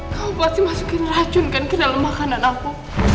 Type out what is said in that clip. kau pasti masukin racun ke dalam makanan aku